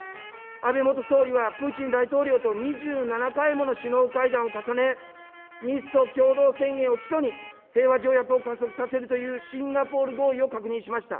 安倍元総理は、プーチン大統領と２７回もの首脳会談を重ね、日ソ共同宣言を基礎に、平和条約を加速させるというシンガポール合意を確認しました。